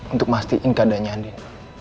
untuk mastiin keadaannya andin